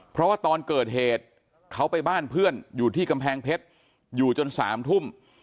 เพราะว่าตอนเกิดเหตุเขาไปบ้านเพื่อนอยู่ที่กำแพงเพชรอยู่จน๓ทุ่ม